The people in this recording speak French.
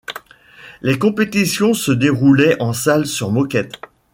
Les compétitions se déroulaient en salle sur moquette.